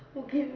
mungkin dia malu